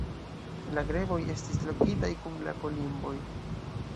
La greboj estis lokitaj kun la kolimboj.